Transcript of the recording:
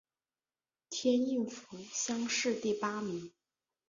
应天府乡试第八名。